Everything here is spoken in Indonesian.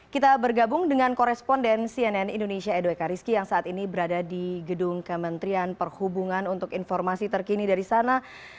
kita bergabung dengan koresponden cnn indonesia edo ekariski yang saat ini berada di gedung kementerian perhubungan untuk informasi terkini dari sana